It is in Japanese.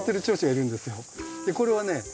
これはね